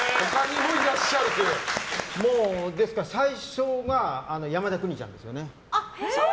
最初が山田邦ちゃんですよね。